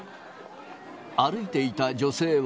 歩いていた女性は。